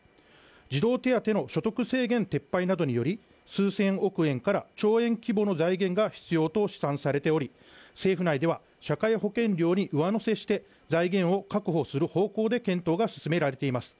児童手当の所得制限撤廃などにより、数千億円から、兆円規模の財源が必要と試算されており、政府内では、社会保険料に上乗せして財源を確保する方向で検討が進められています。